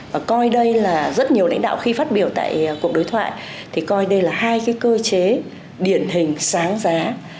và coi đây là rất nhiều lãnh đạo khi phát biểu tại cuộc đối thoại thì coi đây là hai cái cơ chế điển hình sáng giá